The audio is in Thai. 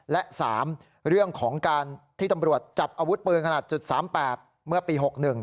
และ๓เรื่องของการที่ตำรวจจับอาวุธปืนขนาด๓๘เมื่อปี๖๑